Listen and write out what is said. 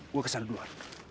gue kesana dulu